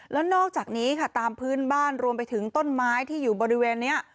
แล้วนอกจากนี้ค่ะตามพื้นบ้านรวมไปถึงต้นไม้ที่อยู่บริเวณนี้